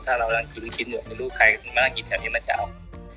ถ้าเรารังกินลูกชิ้นอย่างเงี้ยใครมานั่งกินแถวนี้มันจะเอา